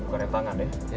buka rem tangan ya